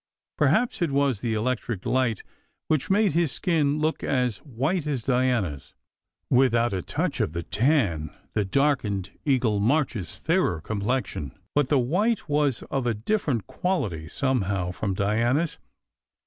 Perhaps it was the electric light which made his skin look as white as Diana s, without a touch of the tan that darkened Eagle March s fairer com plexion; but the white was of a different quality, somehow, from Diana s.